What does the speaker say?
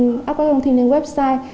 gửi các thông tin lên website